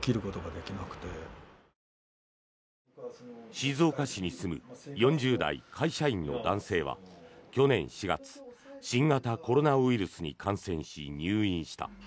静岡市に住む４０代会社員の男性は去年４月、新型コロナウイルスに感染し、入院した。